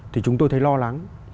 thì chúng tôi thấy lo lắng